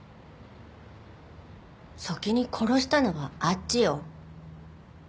先に殺したのはあっちよ。